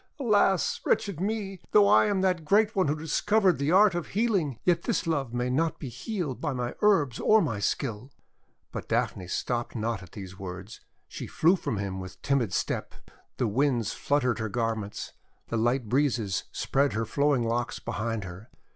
Alas! wretched me! though I am that great one who discovered the art of healing, yet this love may not be healed by my herbs or my skill!' But Daphne stopped not at these words; she flew from him writh timid step. The Winds flut tered her garments, the light breezes spread her flowing locks behind her.